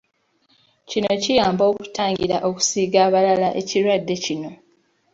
Kino kiyamba okutangira okusiiga abalala ekirwadde kino.